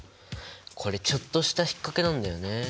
これちょっとしたひっかけなんだよね。